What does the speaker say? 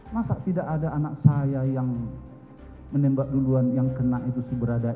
masa tidak ada anak saya yang menembak duluan yang kena itu berada